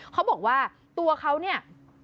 เขาบอกว่าตัวเขาเนี่ย